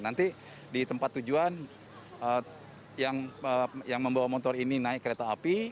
nanti di tempat tujuan yang membawa motor ini naik kereta api